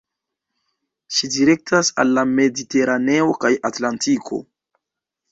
Ĝi direktas al la Mediteraneo kaj Atlantiko.